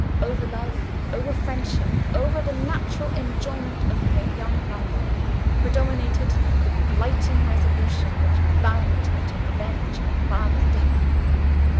Over love, over friendship, over the natural enjoyment of her young life, predominated the blighting resolution which bound her to avenge her father's death.